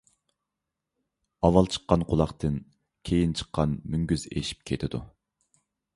ئاۋۋال چىققان قۇلاقتىن كېيىن چىققان مۈڭگۈز ئېشىپ كېتىدۇ.